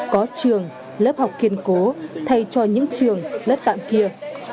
có trường lớp học kiên cố thay cho những trường lớp tạm kia